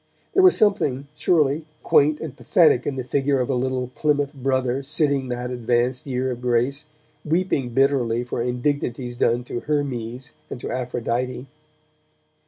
There was something, surely, quaint and pathetic in the figure of a little Plymouth Brother sitting in that advanced year of grace, weeping bitterly for indignities done to Hermes and to Aphrodite.